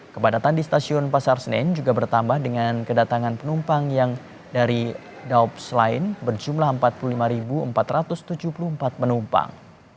kepadatan di stasiun pasar senen juga bertambah dengan kedatangan penumpang yang dari daops line berjumlah empat puluh lima empat ratus tujuh puluh empat penumpang